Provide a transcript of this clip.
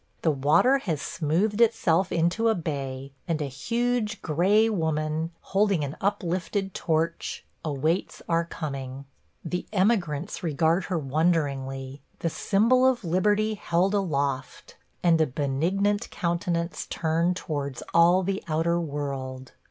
The water has smoothed itself into a bay, and a huge gray woman, holding an uplifted torch, awaits our coming; the emigrants regard her wonderingly – the symbol of liberty held aloft, and a benignant countenance turned towards all the outer world.